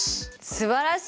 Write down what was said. すばらしい！